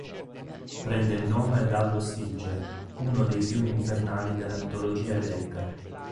Prende il nome dallo Stige, uno dei fiumi infernali della mitologia greca.